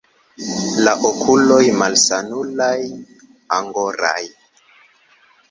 La okuloj malsanulaj, angoraj.